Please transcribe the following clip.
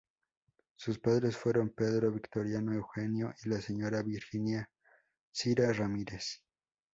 Sus padres fueron Pedro Victoriano Eugenio y la señora Virginia Cira Ramírez.